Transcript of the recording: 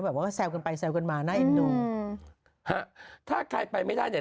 แบบว่าแซวกันไปแซวกันมานะอืมถ้าใครไปไม่ได้เนี่ย